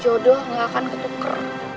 jodoh ga akan ketuker